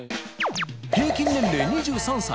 平均年齢２３歳。